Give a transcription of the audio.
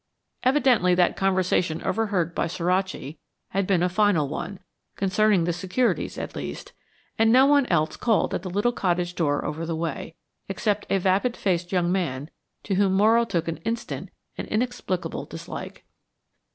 Evidently that conversation overheard by Suraci had been a final one, concerning the securities at least, and no one else called at the little cottage door over the way, except a vapid faced young man to whom Morrow took an instant and inexplicable dislike.